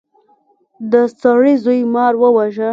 د سړي زوی مار وواژه.